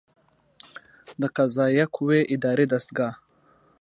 د قضائیه قوې اداري دستګاه